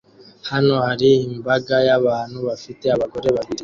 Hano hari imbaga y'abantu bafite abagore babiri